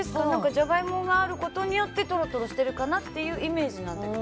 ジャガイモがあることによってトロトロしてるかなってイメージなんだけど。